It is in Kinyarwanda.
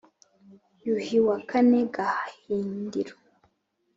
yuhi wa kane gahindiro